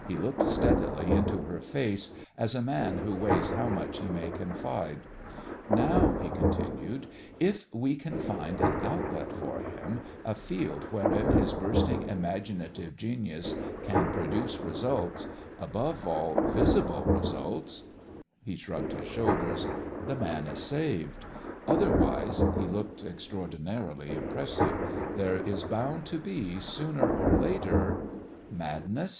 He looked steadily into her face, as a man who weighs how much he may confide. "Now," he continued, "if we can find an outlet for him, a field wherein his bursting imaginative genius can produce results above all, visible results" he shrugged his shoulders "the man is saved. Otherwise" he looked extraordinarily impressive "there is bound to be sooner or later " "Madness?"